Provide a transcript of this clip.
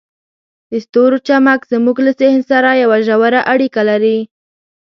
د ستورو چمک زموږ له ذهن سره یوه ژوره اړیکه لري.